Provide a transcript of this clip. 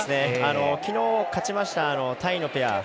きのう、勝ちましたタイのペア。